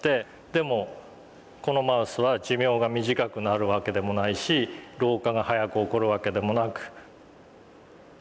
でもこのマウスは寿命が短くなるわけでもないし老化が早く起こるわけでもなく。